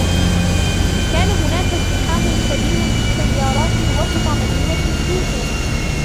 كان هناك ازدحام كبير للسيارات وسط مدينة كيوتو.